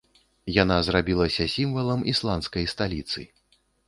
Яна зрабілася сімвалам ісландскай сталіцы.